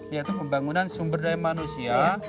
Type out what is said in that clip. yaitu pembangunan sumber daya manusia